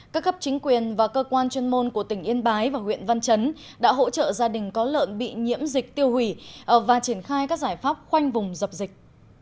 các cấp chính quyền và cơ quan chuyên môn của tỉnh yên bái và huyện văn chấn đã hỗ trợ gia đình có lợn bị nhiễm dịch tiêu hủy và triển khai các giải pháp khoanh vùng dập dịch